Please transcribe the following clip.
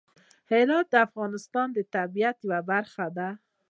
هرات د افغانستان د طبیعت یوه برخه ده.